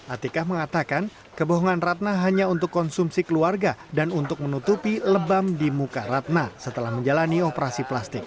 atika mengatakan kebohongan ratna hanya untuk konsumsi keluarga dan untuk menutupi lebam di muka ratna setelah menjalani operasi plastik